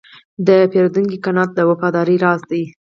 د پیرودونکي قناعت د وفادارۍ راز دی.